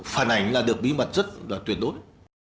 phản ảnh được bí mật rất tuyệt đối